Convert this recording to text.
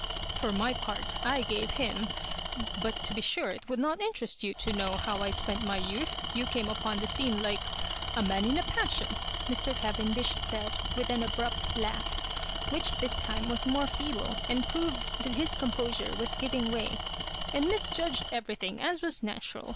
For my part, I gave him— but, to be sure, it would not interest you to know how I spent my youth. You came upon the scene •like— a man in a passion," Mr. Oavetidish said, with an abrupt laugh, which this time was more feeble, and proved that his composure waJs giving way, " and misjudged everything, as was natural.